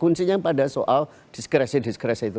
kuncinya pada soal diskresi diskresi itu